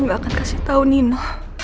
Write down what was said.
gak akan kasih tau nino